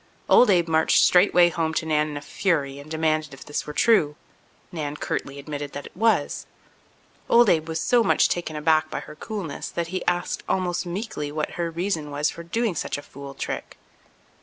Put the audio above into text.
Old Abe marched straightway home to Nan in a fury and demanded if this were true. Nan curtly admitted that it was. Old Abe was so much taken aback by her coolness that he asked almost meekly what was her reason for doing such a fool trick.